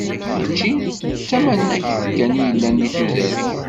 Mačči d tamanegt kan i yellan deg tudert.